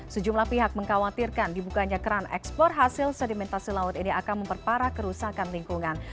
sejumlah pihak mengkhawatirkan dibukanya keran ekspor hasil sedimentasi laut ini akan memperparah kerusakan lingkungan